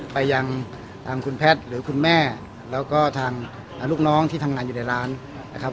ไปยังทางคุณแพทย์หรือคุณแม่แล้วก็ทางลูกน้องที่ทำงานอยู่ในร้านนะครับ